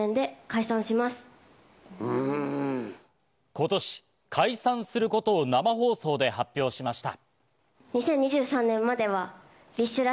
今年、解散することを生放送で発表しました。